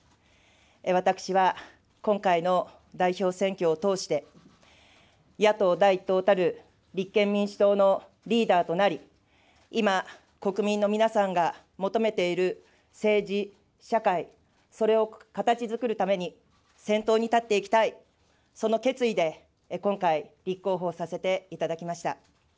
私は、今回の代表選挙を通して、野党第１党たる立憲民主党のリーダーとなり、今、国民の皆さんが求めている政治、社会、それをかたちづくるために、先頭に立っていきたい、その決意で今回、立候補させていただきました。